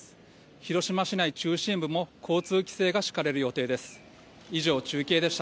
広島市内中心部も交通規制が敷かれる予定です。